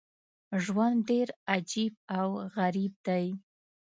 ژوند ډېر عجیب او غریب دی.